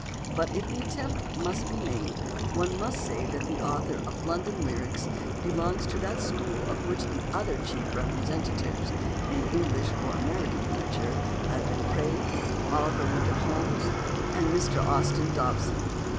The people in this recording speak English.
But if the attempt must be made, one may say that the author of "London Lyrics" belongs to that school of which the other chief representatives, in English or American literature, have been Praed, Oliver Wendell Holmes, and Mr Austin Dobson.